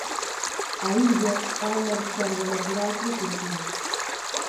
A illa é unha reserva natural protexida.